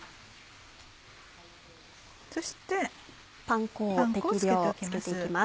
そしてパン粉を付けておきます。